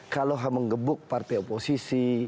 kalau menggebuk partai oposisi